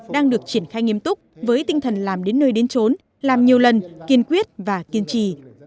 đang được triển khai nghiêm túc với tinh thần làm đến nơi đến trốn làm nhiều lần kiên quyết và kiên trì